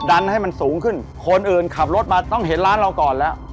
ดันให้มันสูงขึ้นคนอื่นขับรถมาต้องเห็นร้านเราก่อนแล้ว